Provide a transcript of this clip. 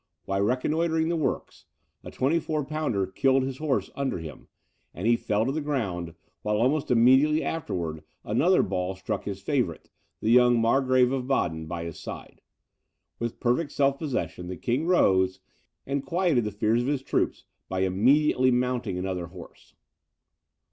While reconnoitring the works, a 24 pounder killed his horse under him, and he fell to the ground, while almost immediately afterwards another ball struck his favourite, the young Margrave of Baden, by his side. With perfect self possession the king rose, and quieted the fears of his troops by immediately mounting another horse.